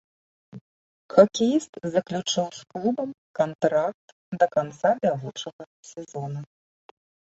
Хакеіст заключыў з клубам кантракт да канца бягучага сезона.